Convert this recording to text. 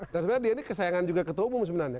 dan sebenarnya dia ini kesayangan juga ketua umum sebenarnya